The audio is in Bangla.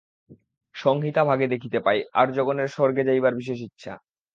সংহিতাভাগে দেখিতে পাই, আর্যগণের স্বর্গে যাইবার বিশেষ ইচ্ছা।